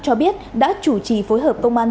cho biết đã chủ trì phối hợp công an